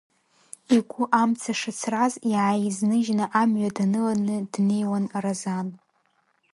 Игәы амца шацраз, иааизныжьны, амҩа даныланы днеиуан Разан.